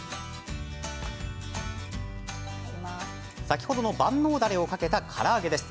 先ほどの万能だれをかけたから揚げです。